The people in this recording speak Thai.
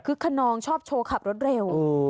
คนนองชอบโชว์ขับรถเร็ว